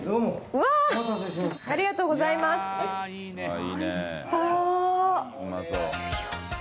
うわあありがとうございます